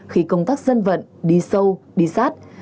khi công tác dân vận đi sâu đi sát